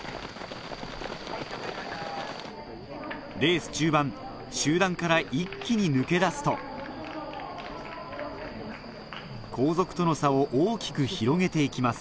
レース中盤集団から一気に抜け出すと後続との差を大きく広げて行きます